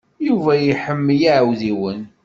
Yuba iḥemmel iɛewdiwen.